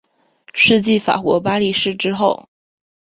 是继法国巴黎市之后。